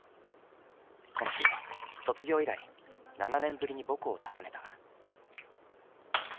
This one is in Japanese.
この日卒業以来７年ぶりに母校を訪ねた。